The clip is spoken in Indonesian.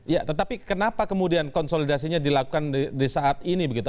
ya tetapi kenapa kemudian konsolidasinya dilakukan di saat ini begitu